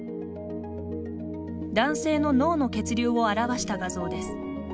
男性の脳の血流を表した画像です。